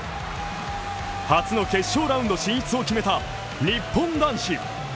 初の決勝ラウンド進出を決めた日本男子。